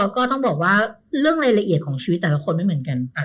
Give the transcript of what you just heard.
ก็ต้องบอกว่าเรื่องรายละเอียดของชีวิตแต่ละคนไม่เหมือนกัน